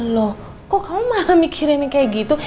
lho kok kamu malah mikirinnya kayak gitu